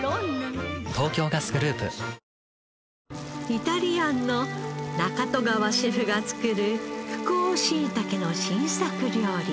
イタリアンの中戸川シェフが作る福王しいたけの新作料理。